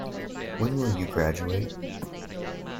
When will you graduate?